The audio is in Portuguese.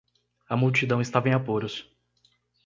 A multidão estava em apuros.